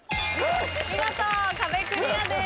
見事壁クリアです。